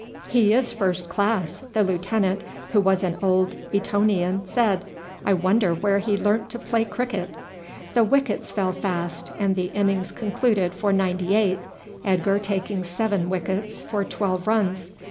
"He is first class," the lieutenant, who was an old Etonian, said. "I wonder where he learnt to play cricket?" The wickets fell fast, and the innings concluded for 98, Edgar taking seven wickets for twelve runs.